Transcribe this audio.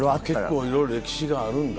結構いろいろ歴史があるんだ。